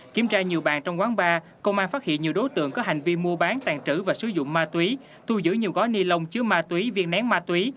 kiểm tra nhiều bàn trong quán bar công an phát hiện nhiều đối tượng có hành vi mua bán tàn trữ và sử dụng ma túy thu giữ nhiều gói ni lông chứa ma túy viên nén ma túy